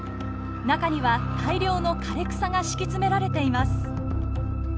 中には大量の枯れ草が敷き詰められています。